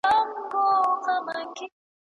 زموږ څېړونکي په ډګر کي کار کوي.